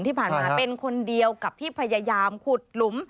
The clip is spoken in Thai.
ที่ผ่านมาเป็นคนเดียวกับที่พยายามขุดหลุม